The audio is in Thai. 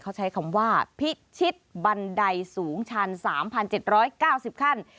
เขาใช้คำว่าพิชิตบันไดสูงชัน๓๗๙๐ขั้น